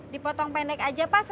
dipotong pendek aja pas